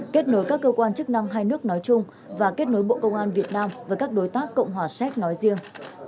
kết nối các cơ quan chức năng hai nước nói chung và kết nối bộ công an việt nam với các đối tác cộng hòa séc nói riêng